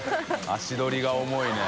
足取りが重いね。